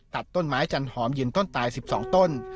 ตัดต้นไม้จันหอมยืนต้นตาย๑๒ต้น